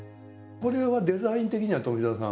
これはデザイン的には富澤さん？